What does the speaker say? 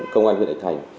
công an huyện thạch thành